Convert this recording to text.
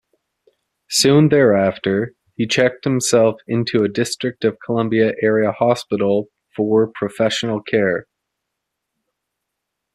Soon thereafter, he checked himself into a District of Columbia-area hospital for professional care.